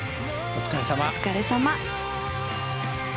お疲れさま。